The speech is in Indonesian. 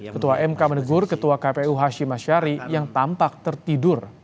ketua mk menegur ketua kpu hashim ashari yang tampak tertidur